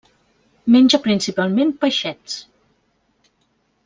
Menja principalment peixets.